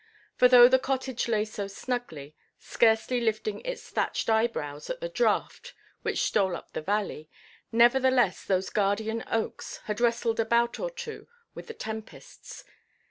For though the cottage lay so snugly, scarcely lifting its thatched eyebrows at the draught which stole up the valley, nevertheless those guardian oaks had wrestled a bout or two with the tempests.